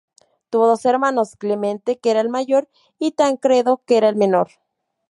Tuvo dos hermanos: Clemente que era el mayor y Tancredo que era el menor.